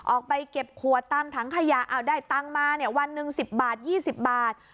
ออกไปเก็บครัวตั้งทั้งขยะเอาได้ตั้งมาวันหนึ่ง๑๐บาท๒๐บาท